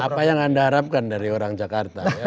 apa yang anda harapkan dari orang jakarta